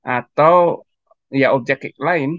atau ya objek lain